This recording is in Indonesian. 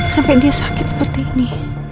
sampai dia sakit seperti ini